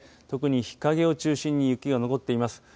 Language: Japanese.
特に日陰を中心に雪が残っています。